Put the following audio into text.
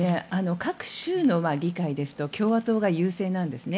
各州の理解ですと共和党が優勢なんですね。